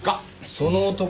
その男